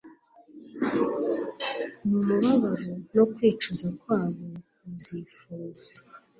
Mu mubabaro no kwicuza kwabo, bazifuza